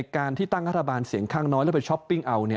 การที่ตั้งรัฐบาลเสียงข้างน้อยแล้วไปช้อปปิ้งเอา